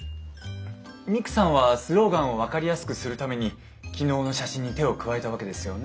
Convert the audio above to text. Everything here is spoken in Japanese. ミクさんはスローガンを分かりやすくするために昨日の写真に手を加えたわけですよね？